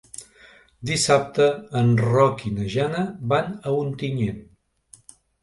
Dissabte en Roc i na Jana van a Ontinyent.